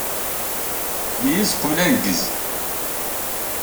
Meyyez uqbel aneggez.